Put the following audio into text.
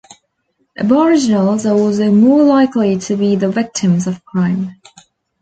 Aboriginals are also more likely to be the victims of crime.